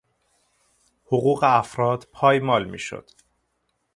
حقوق افراد پایمال میشد.